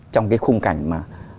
trong cái khung cảnh mà